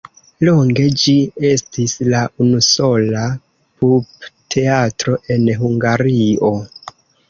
Longe ĝi estis la unusola pupteatro en Hungario.